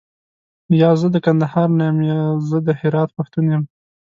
یا، زه د کندهار نه یم زه د هرات پښتون یم.